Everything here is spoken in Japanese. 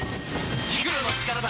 ジクロの力だ！